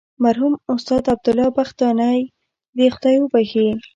مرحوم استاد عبدالله بختانی دې خدای وبخښي.